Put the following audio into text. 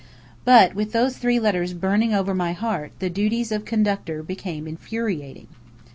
But with those three letters burning over my heart the duties of conductor became infuriating.